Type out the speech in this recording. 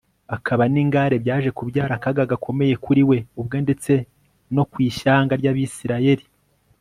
akaba ningare byaje kubyara akaga gakomeye kuri we ubwe ndetse no ku ishyanga ryAbisirayeli